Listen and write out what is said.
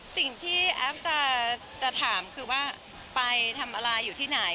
สิ่งที่แอฟจะถามคือว่าไปทำอะไรอยู่ที่ไหน